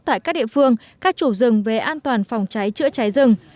tại các địa phương các chủ rừng về an toàn phòng cháy chữa cháy rừng